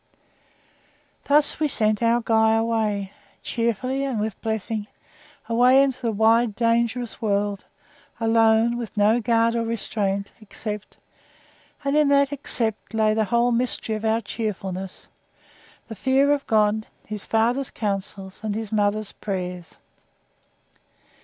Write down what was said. Thus we sent our Guy away, cheerfully and with blessings away into the wide, dangerous world; alone, with no guard or restraint, except (and in that EXCEPT lay the whole mystery of our cheerfulness) the fear of God, his father's counsels, and his mother's prayers.